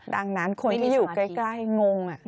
ดังนั้นคนที่อยู่ใกล้งง